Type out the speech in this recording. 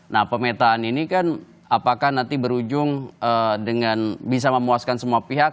nah pemetaan ini kan apakah nanti berujung dengan bisa memuaskan semua pihak